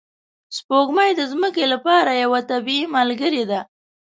سپوږمۍ د ځمکې لپاره یوه طبیعي ملګرې ده